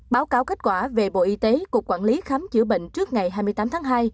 báo cáo kết quả về bộ y tế cục quản lý khám chữa bệnh trước ngày hai mươi tám tháng hai